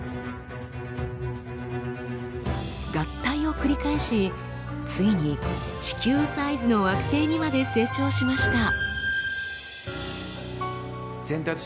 合体を繰り返しついに地球サイズの惑星にまで成長しました。